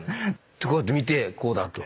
こうやって見てこうだと。